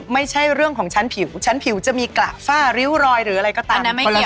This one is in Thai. ไม่ใช่เรื่องของชั้นผิวชั้นผิวจะมีกระฝ้าริ้วรอยหรืออะไรก็ตาม